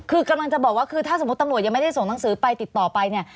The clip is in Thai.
คือกำลังจะบอกว่าคือถ้าสมมุติตำรวจยังไม่ได้ส่งหนังสือไปติดต่อไปเนี่ย